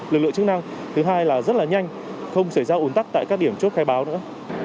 lực lượng chức năng thứ hai là rất là nhanh không xảy ra ủn tắc tại các điểm chốt khai báo nữa